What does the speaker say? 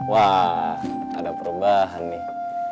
wah ada perubahan nih